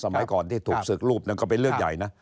สมัยก่อนที่ถูกศึกรูปนั้นก็เป็นเรื่องใหญ่นะ